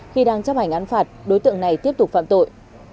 khi đang chấp hành án phạt đối tượng này tiếp tục phạm tội